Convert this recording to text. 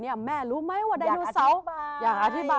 หรือหนูฟังไหม